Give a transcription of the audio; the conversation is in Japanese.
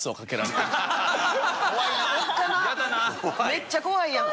めっちゃ怖いやん。